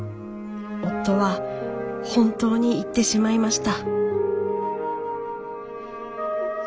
夫は本当に逝ってしまいました。